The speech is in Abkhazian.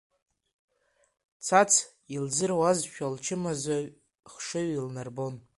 Цац илзыруазшәа лчымазаҩ хшыҩ илнарбон.